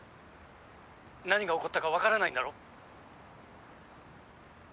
何が起こったか分からないんだろ？